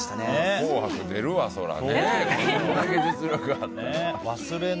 「紅白」出るわ、それは。